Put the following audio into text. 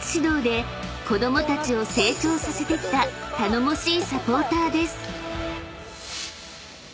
［子供たちを成長させてきた頼もしいサポーターです］